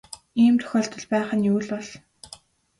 Ийм тохиолдол байх нь юу л бол.